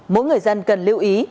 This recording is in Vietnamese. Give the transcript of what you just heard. mỗi người dân cần lưu ý